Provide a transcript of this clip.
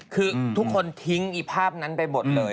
คือทุกคนทิ้งอีภาพนั้นไปหมดเลย